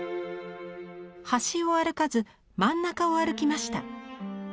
「端を歩かず真ん中を歩きました」。